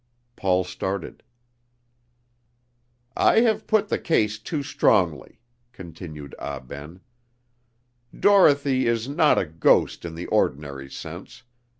Paul started. "I have put the case too strongly," continued Ah Ben; "Dorothy is not a ghost in the ordinary sense.